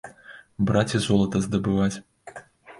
Браць і золата здабываць!